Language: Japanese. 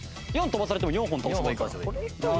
４飛ばされても４本倒せばいいから。